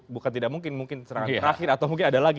bukan tidak mungkin mungkin serangan terakhir atau mungkin ada lagi